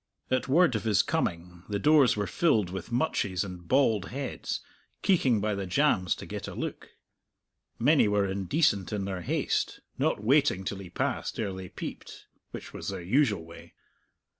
At word of his coming the doors were filled with mutches and bald heads, keeking by the jambs to get a look. Many were indecent in their haste, not waiting till he passed ere they peeped which was their usual way.